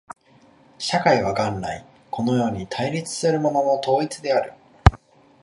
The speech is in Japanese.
社会は元来このように対立するものの統一である。